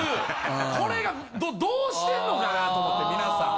これがどうしてんのかなと思って皆さん。